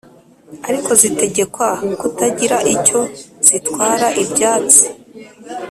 Ariko zitegekwa kutagira icyo zitwara ibyatsi